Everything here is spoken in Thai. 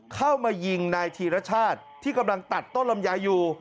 เข้ามายิงนายธีรชาติที่กำลังตัดต้นลำไยอยู่